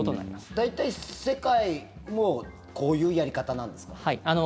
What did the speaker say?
大体、世界もこういうやり方なんですか？